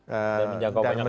dan menjangkau banyak orang